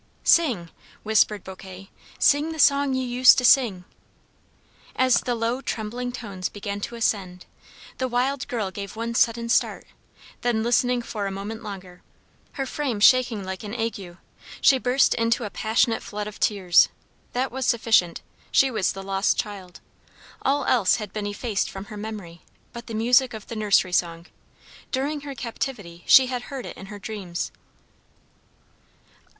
'Sing,' whispered Bouquet, 'sing the song you used to sing.' As the low, trembling tones began to ascend, the wild girl gave one sudden start, then listening for a moment longer, her frame shaking like an ague, she burst into a passionate flood of tears. That was sufficient. She was the lost child. All else had been effaced from her memory, but the music of the nursery song. During her captivity she had heard it in her dreams."